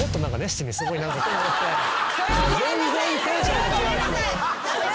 全然テンションが違うんですよ。